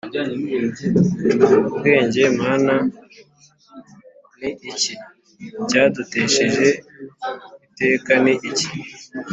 ubwenge Mana ni iki cyakudutesheje iteka Ni iki